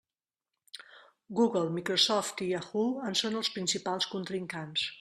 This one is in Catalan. Google, Microsoft i Yahoo en són els principals contrincants.